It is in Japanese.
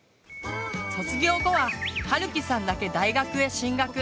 卒業後ははるきさんだけ大学へ進学。